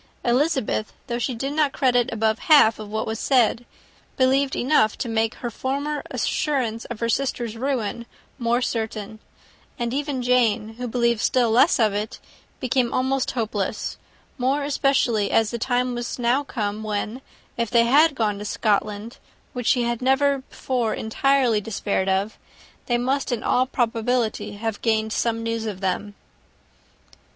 Elizabeth, though she did not credit above half of what was said, believed enough to make her former assurance of her sister's ruin still more certain; and even Jane, who believed still less of it, became almost hopeless, more especially as the time was now come, when, if they had gone to Scotland, which she had never before entirely despaired of, they must in all probability have gained some news of them.